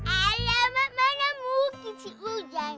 alamak mana mungkin sih ujang